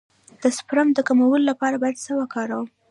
د سپرم د کموالي لپاره باید څه شی وکاروم؟